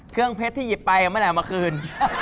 เครื่องเพชรที่หยิบไปเมื่อไหร่มาคลืน